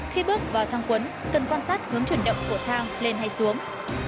khi bước vào thang quấn cần quan sát hướng chuyển động của thang lên hay xuống